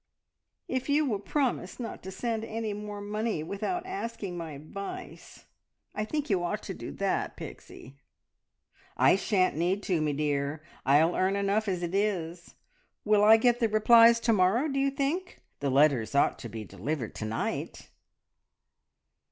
"If you will promise not to send any more money without asking my advice. I think you ought to do that, Pixie!" "I shan't need to, me dear. I'll earn enough as it is. Will I get the replies to morrow, do you think? The letters ought to be delivered to night!"